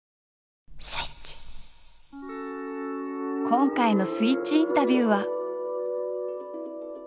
今回の「スイッチインタビュー」は。